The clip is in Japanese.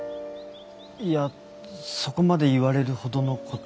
いやそこまで言われるほどのことじゃ。